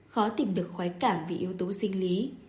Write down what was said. khó tìm được khoái cả vì yếu tố sinh lý